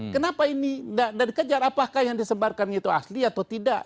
kenapa ini dan dikejar apakah yang disebarkan itu asli atau tidak